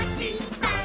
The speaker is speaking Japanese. パン！